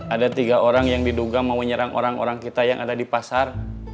ada tiga orang yang diduga mau menyerang orang orang kita yang ada di pasar